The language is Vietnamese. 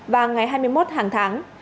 và ngày hai mươi một hàng tháng